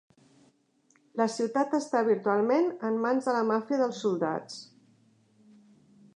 La ciutat està virtualment en mans de la màfia dels soldats.